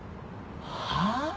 はあ？